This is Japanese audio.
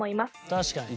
確かに。